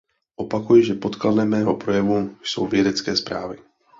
Opakuji, že podkladem mého projevu jsou vědecké zprávy.